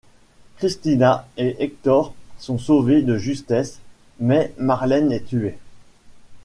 Christina et Hector sont sauvés de justesse, mais Marlène est tuée.